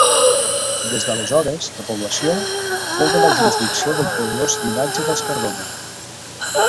Des d'aleshores la població fou de la jurisdicció del poderós llinatge dels Cardona.